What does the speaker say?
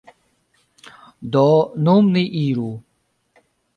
Do, nun ni iru